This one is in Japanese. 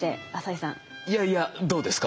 いやいやどうですか？